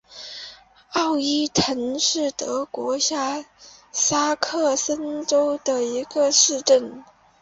奥伊滕是德国下萨克森州的一个市镇。